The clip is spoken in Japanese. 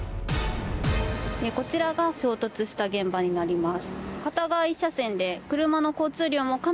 こちらが衝突した現場になります。